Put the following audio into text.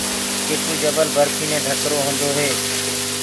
ڪي ٽو جبل برفيٚ دي ڍڪرآ هوندآ هينٚ۔